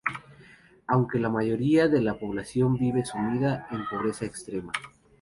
Aunque la mayoría de la población vive sumida en pobreza extrema.